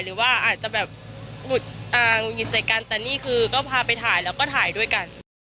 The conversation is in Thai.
หรือว่าอาจจะแบบหุดหงุดหงิดใส่กันแต่นี่คือก็พาไปถ่ายแล้วก็ถ่ายด้วยกัน